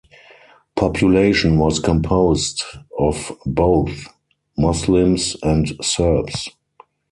Population was composed of both, Muslims and Serbs.